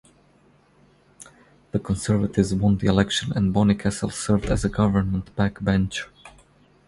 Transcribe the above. The Conservatives won the election, and Bonnycastle served as a government backbencher.